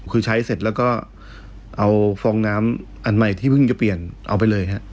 คือใช้เสร็จแล้วก็เอาฟองน้ำอันใหม่ที่เพิ่งจะเปลี่ยนเอาไปเลยฮะ